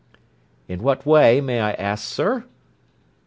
"In what way, may I ask, sir?"